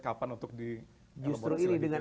kapan untuk dielaborasi lagi justru ini dengan